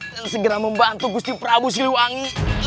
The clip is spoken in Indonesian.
dan segera membantu gusti prabu siluwangi